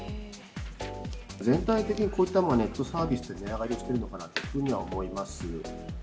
全体的にこういったものはネットサービスは、値上がりしているのかなというふうには思います。